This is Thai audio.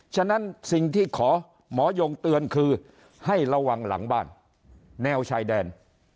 ฉะนั้นสิ่งที่ขอหมอยงเตือนคือให้ระวังหลังบ้านแนวชายแดน